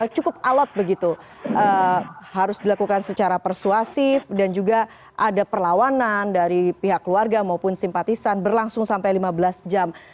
cukup alot begitu harus dilakukan secara persuasif dan juga ada perlawanan dari pihak keluarga maupun simpatisan berlangsung sampai lima belas jam